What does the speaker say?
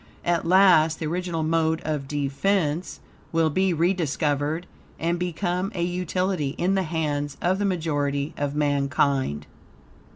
At last, the original mode of defense will be rediscovered and become a utility in the hands of the majority of mankind.